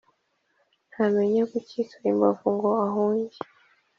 ntamenya gukika imbavu ngo ahunge,